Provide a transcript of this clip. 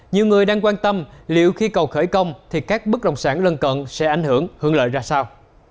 nhiều người đang quan tâm liệu khi cầu khởi công thì các bất động sản lân cận sẽ ảnh hưởng hướng lợi ra sao